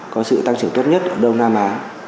có sự tăng trưởng tốt nhất ở đông nam á